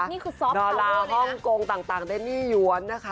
นี่คือซอฟพวอเวอร์ดาราฮ่องกงต่างเล่นหนี้ย้วนนะคะ